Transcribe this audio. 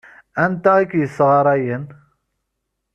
Anta ay k-yessɣarayen?